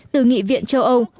từ nghị viện châu âu